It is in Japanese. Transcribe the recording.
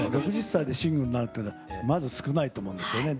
６０歳でシングルになるっていうのはまず少ないと思うんですよね。